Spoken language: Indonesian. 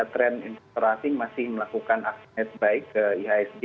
trend investor asing masih melakukan netbuy ke ihsg